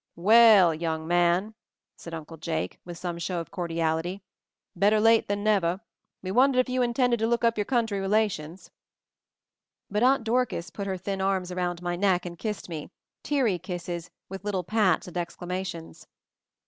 '.'Well, young man!" said Uncle Jake, with some show of cordiality; "better late than never. We wondered if you intended to look up your country relations." But Aunt Dorcas put her thin arms around my neck and kissed me, teary kisses with little pats and exclamations.